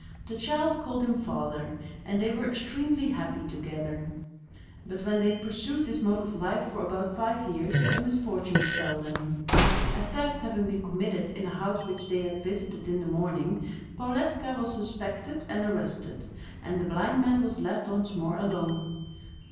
The child called him father, and they were extremely happy together. But when they had pursued this mode of life for about five years, a misfortune befell them. A theft having been committed in a house which they had visited in the morning, Powleska was suspected and arrested, and the blind man was left once more alone.